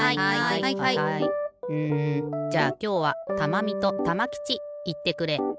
うんじゃあきょうはたまみとたまきちいってくれ。